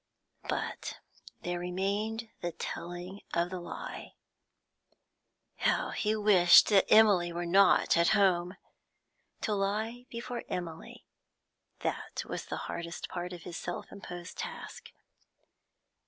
But there remained the telling of the lie. How he wished that Emily were not at home! To lie before Emily, that was the hardest part of his self imposed task.